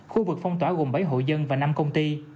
khu vực phong tỏa gồm bảy hộ dân và năm công ty